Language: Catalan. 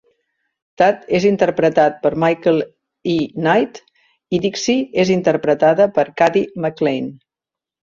Tad és interpretat per Michael E. Knight, i Dixie és interpretada per Cady McClain.